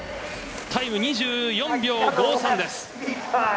タイムは２４秒５３です。